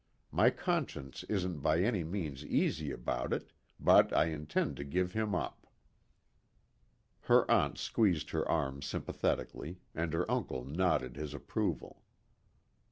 My conscience isn't by any means easy about it, but I intend to give him up." Her aunt squeezed her arm sympathetically, and her uncle nodded his approval.